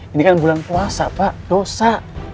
ini kan bulan puasa pak dosa